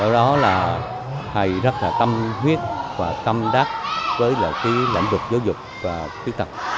đó là thầy rất là tâm huyết và tâm đắc với lãnh đục giáo dục và khuyết tật